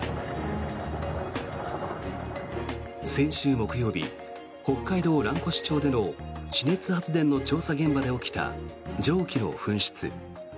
先週木曜日、北海道蘭越町での地熱発電の調査現場で起きた蒸気の噴出。